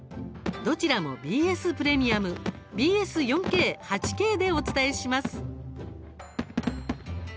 どちらもＢＳプレミアムＢＳ４Ｋ、８Ｋでお伝えします。